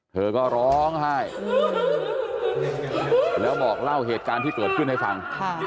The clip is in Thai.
เธอก็ร้องไห้แล้วบอกเล่าเหตุการณ์ที่เกิดขึ้นให้ฟัง